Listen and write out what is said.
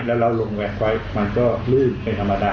แล้วเราลงแวบไว้มันก็ลื่นเป็นธรรมดา